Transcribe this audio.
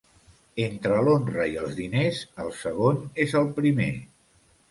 Entre l'honra i els diners, el segon és el primer.